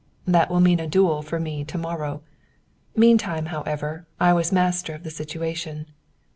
That will mean a duel for me to morrow. Meantime, however, I was master of the situation.